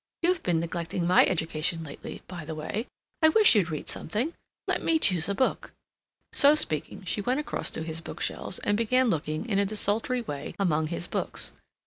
"You've been neglecting my education lately, by the way. I wish you'd read something. Let me choose a book." So speaking, she went across to his bookshelves and began looking in a desultory way among his books.